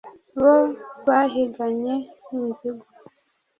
bo bahiganye inzigo